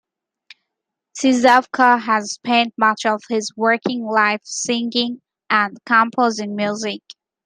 Sejavka has spent much of his working life singing and composing music.